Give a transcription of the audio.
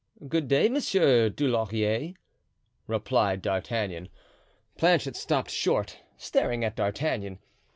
"Good day, Monsieur Dulaurier," replied D'Artagnan. Planchet stopped short, staring at D'Artagnan.